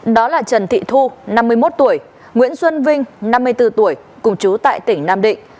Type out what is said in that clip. đó là trần thị thu năm mươi một tuổi nguyễn xuân vinh năm mươi bốn tuổi cùng chú tại tỉnh nam định